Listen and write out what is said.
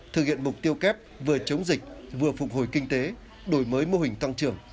thực hiện mục tiêu kép vừa chống dịch vừa phục hồi kinh tế đổi mới mô hình tăng trưởng